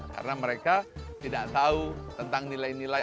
karena mereka tidak tahu tentang nilai nilai